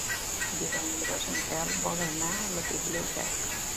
Divendres en Quel vol anar a la biblioteca.